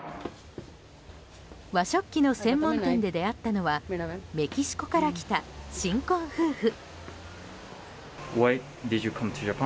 和食器の専門店で出会ったのはメキシコから来た新婚夫婦。